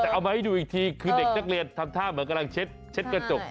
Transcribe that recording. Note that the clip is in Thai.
แต่เอามาให้ดูอีกทีคือเด็กนักเรียนทำท่าเหมือนกำลังเช็ดกระจก